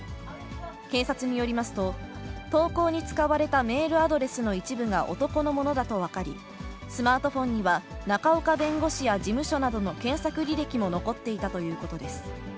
警察によりますと、投稿に使われたメールアドレスの一部が男のものだと分かり、スマートフォンには、仲岡弁護士や事務所などの検索履歴も残っていたということです。